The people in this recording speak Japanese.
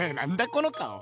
この顔。